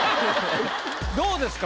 どうですか？